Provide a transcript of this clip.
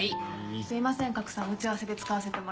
すいません賀来さん打ち合わせで使わせてもらって。